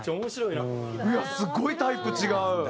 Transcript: いやすごいタイプ違う。